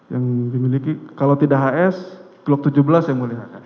yang dimiliki kalau tidak hs glock tujuh belas yang mulia